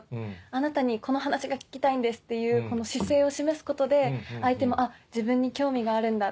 あなたにこの話が聞きたいんですっていうこの姿勢を示すことで相手も「自分に興味があるんだ」。